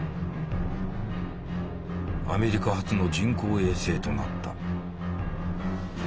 アメリカ初の人工衛星となった。